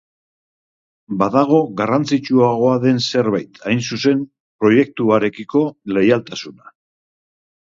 Badago garrantzitsuagoa den zerbait, hain zuzen, proiektuarekiko leialtasuna.